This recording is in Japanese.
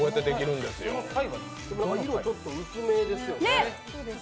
色ちょっと薄めですよね。